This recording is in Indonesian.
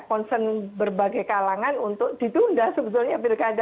concern berbagai kalangan untuk ditunda sebetulnya pilkada